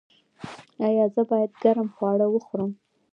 ایا زه باید ګرم خواړه وخورم؟